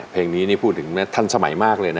เพลงนี้นี่พูดถึงทันสมัยมากเลยนะ